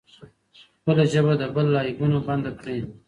خپله ژبه د بل له عیبونو بنده کړئ.